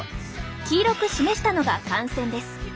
黄色く示したのが汗腺です。